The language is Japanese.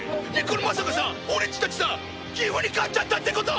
これまさかさ俺っちたちさギフに勝っちゃったってこと！？